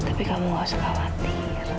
tapi kamu gak suka khawatir